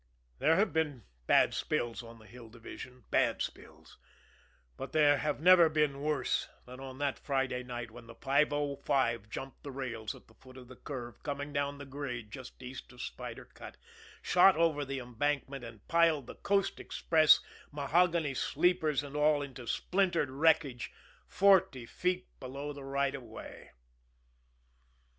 There have been bad spills on the Hill Division, bad spills but there have never been worse than on that Friday night when the 505 jumped the rails at the foot of the curve coming down the grade just east of Spider Cut, shot over the embankment and piled the Coast Express, mahogany sleepers and all, into splintered wreckage forty feet below the right of way.